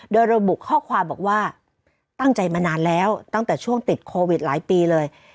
โดยระบุข้อความบอกว่าตั้งใจมานานแล้วตั้งแต่ช่วงติดโควิดหลายปีเลย